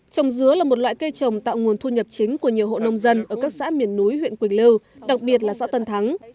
trồng dứa là một loại cây trồng tạo nguồn thu nhập chính của nhiều hộ nông dân ở các xã miền núi huyện quỳnh lưu đặc biệt là xã tân thắng